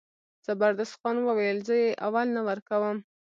زبردست خان وویل زه یې اول نه ورکوم.